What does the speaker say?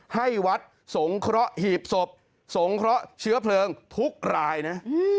ให้วัดสงเคราะห์หีบศพสงเคราะห์เชื้อเพลิงทุกรายนะ